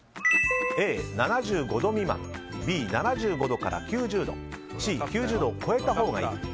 Ａ、７５度未満Ｂ、７５度から９０度Ｃ、９０度を超えたほうがいい。